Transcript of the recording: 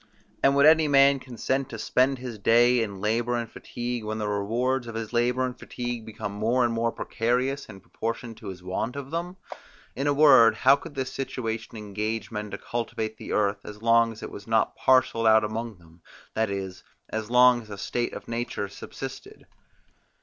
And would any man consent to spend his day in labour and fatigue, when the rewards of his labour and fatigue became more and more precarious in proportion to his want of them? In a word, how could this situation engage men to cultivate the earth, as long as it was not parcelled out among them, that is, as long as a state of nature subsisted.